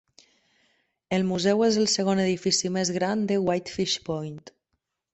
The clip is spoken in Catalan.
El museu és el segon edifici més gran de Whitefish Point.